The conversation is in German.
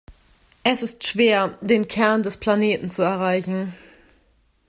Es ist schwer, den Kern des Planeten zu erreichen.